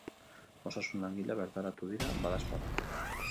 Osasun-langileak bertaratu dira badaezpada.